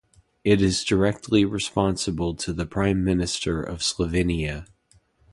It is directly responsible to the Prime Minister of Slovenia.